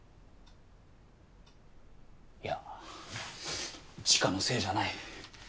いや知花のせいじゃない。